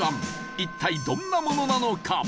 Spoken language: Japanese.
一体、どんなものなのか？